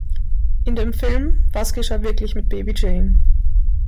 In dem Film "Was geschah wirklich mit Baby Jane?